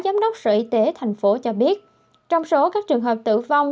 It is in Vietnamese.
giám đốc sở y tế tp hcm cho biết trong số các trường hợp tử vong